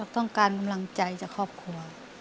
ต้องการกำลังใจจากครอบครัว